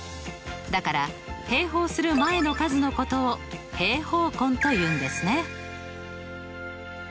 だから平方する前の数のことを平方根というんですね。